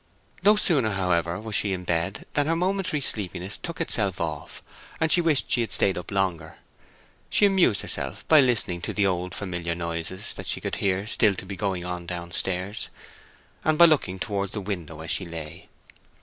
No sooner, however, was she in bed than her momentary sleepiness took itself off, and she wished she had stayed up longer. She amused herself by listening to the old familiar noises that she could hear to be still going on down stairs, and by looking towards the window as she lay.